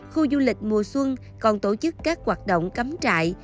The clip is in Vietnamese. khu du lịch mùa xuân còn tổ chức các hoạt động cắm trại